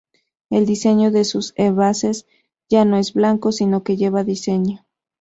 El diseño de sus envases ya no es blanco, sino que lleva diseño.